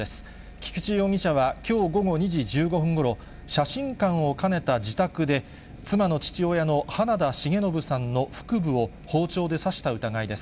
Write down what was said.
菊池容疑者はきょう午後２時１５分ごろ、写真館を兼ねた自宅で、妻の父親の花田繁伸さんの腹部を包丁で刺した疑いです。